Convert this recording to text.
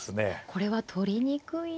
これは取りにくい。